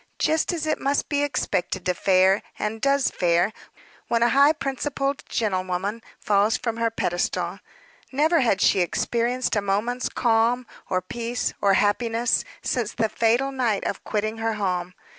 Just as it must be expected to fare, and does fare, when a high principled gentlewoman falls from her pedestal. Never had she experienced a moment's calm, or peace, or happiness, since the fatal night of quitting her home.